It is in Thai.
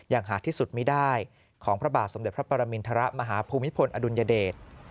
อย่างหาที่สุดมิด้าของพระบาทสมเด็จพระปรมินทรมมหาผู้มิพลอดุญเดต